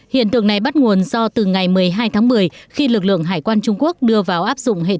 hiện tượng này bắt nguồn do từ ngày một mươi hai tháng một mươi khi lực lượng hải quan trung quốc đưa vào áp dụng hệ thống